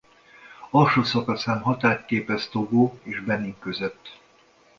Alsó szakaszán határt képez Togo és Benin között.